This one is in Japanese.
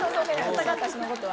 私のことは。